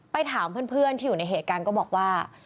ถามเพื่อนที่อยู่ในเหตุการณ์ก็บอกว่า